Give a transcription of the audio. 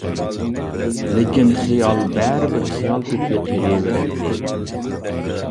لېكىن، خىيال بەرىبىر خىيال پېتى قېلىۋېرەتتى.